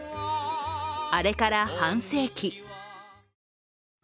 あれから半世紀。